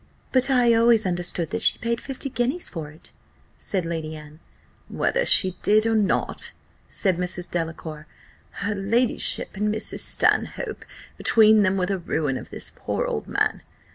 "But I always understood that she paid fifty guineas for it," said Lady Anne. "Whether she did or not," said Mrs. Delacour, "her ladyship and Mrs. Stanhope between them were the ruin of this poor old man.